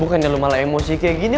bukannya lo malah emosi kayak gini